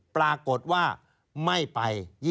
ปรากฏว่าไม่ไป